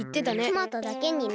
トマトだけにね。